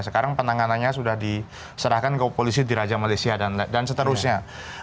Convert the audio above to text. sekarang penanganannya sudah diserahkan ke polisi di raja malaysia dan seterusnya